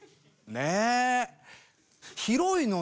ねえ。